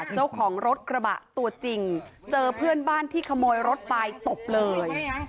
เจ้าของรถกระบะตัวจริงเจอเพื่อนบ้านที่ขโมยรถไปตบเลย